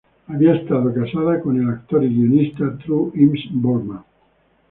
Había estado casada con el actor y guionista True Eames Boardman.